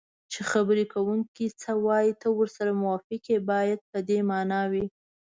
چې خبرې کوونکی څه وایي ته ورسره موافق یې باید په دې مانا وي